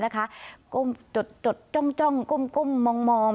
ก้มจดจ้องก้มมอง